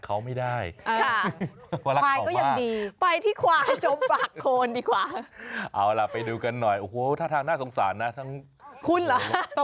คุณเหรอสงสารคนหรือสงสารควายอย่างไรครับ